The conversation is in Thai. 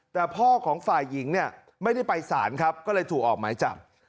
แต่พ่อของฝ่ายหญิงเนี่ยไม่ได้ไปสารครับก็เลยถูกออกหมายจับ